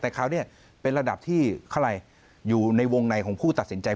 แต่คราวนี้เป็นระดับที่เขาอะไรอยู่ในวงในของผู้ตัดสินใจ